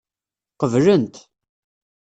Qeblen-t.